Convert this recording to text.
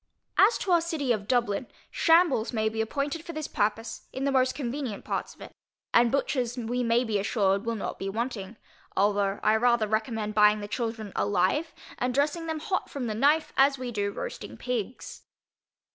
As to our City of Dublin, shambles may be appointed for this purpose, in the most convenient parts of it, and butchers we may be assured will not be wanting; although I rather recommend buying the children alive, and dressing them hot from the knife, as we do roasting pigs.